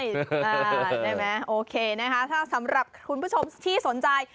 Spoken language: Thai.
ได้ไหมโอเคนะคะถ้าสำหรับคุณผู้ชมที่สนใจ